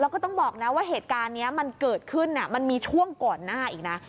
แล้วก็ต้องบอกนะว่าเหตุการณ์นี้มันเกิดขึ้นมันมีช่วงก่อนหน้าอีกนะ